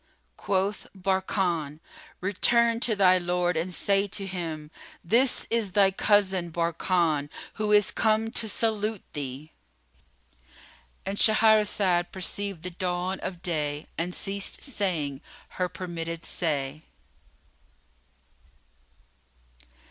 Quoth Barkan, "Return to thy lord and say to him, 'This is thy cousin Barkan, who is come to salute thee.'"— And Shahrazad perceived the dawn of day and ceased saying her permitted say.